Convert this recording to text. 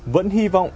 vẫn hy vọng